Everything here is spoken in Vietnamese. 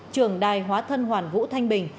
trường đài hóa thân hoàn vũ thanh bình